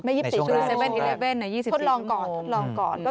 ไม่๒๔ชั่วโมงทดลองก่อนในช่วงแรก